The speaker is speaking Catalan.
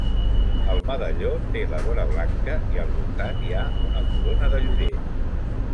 El medalló té la vora blanca i al voltant hi ha una corona de llorer.